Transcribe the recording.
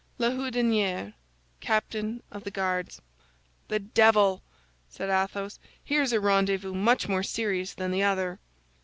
"LA HOUDINIERE, Captain of the Guards" "The devil!" said Athos; "here's a rendezvous much more serious than the other."